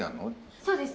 そうですね